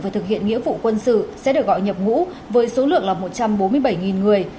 và thực hiện nghĩa vụ quân sự sẽ được gọi nhập ngũ với số lượng một trăm bốn mươi bảy người